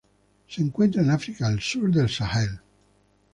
Se encuentra en África al sur del Sahel.